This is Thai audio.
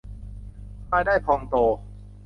รายได้พองโต